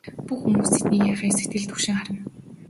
Бүх хүмүүс тэдний яахыг сэтгэл түгшин харна.